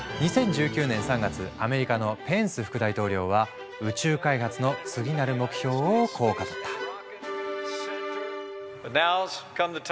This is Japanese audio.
２０１９年３月アメリカのペンス副大統領は宇宙開発の次なる目標をこう語った。